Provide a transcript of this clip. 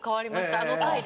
あの回で。